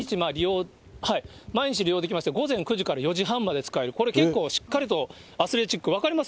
毎日利用できまして、午前９時から４時半まで使える、これ、結構しっかりとアスレチック、分かります？